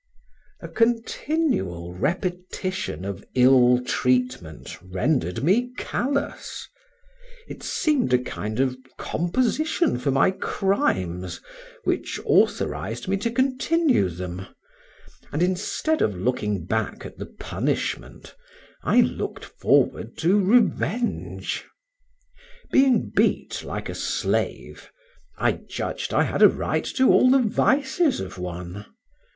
A continual repetition of ill treatment rendered me callous; it seemed a kind of composition for my crimes, which authorized me to continue them, and, instead of looking back at the punishment, I looked forward to revenge. Being beat like a slave, I judged I had a right to all the vices of one.